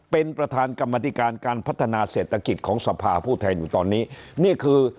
เป็นประธานกรรมธิการการพัฒนาเศรษฐกิจของสภาผู้แทนอยู่ตอนนี้นี่คือ